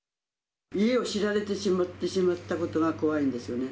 家を知られてしまったことが怖いんですよね。